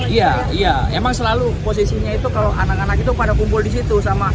iya iya emang selalu posisinya itu kalau anak anak itu pada kumpul di situ